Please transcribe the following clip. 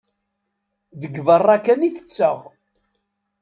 Deg berra kan i tetteɣ.